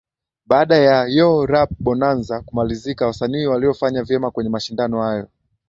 Baada ya Yo Rap Bonanza kumalizika wasanii waliofanya vyema kwenye mashindano hayo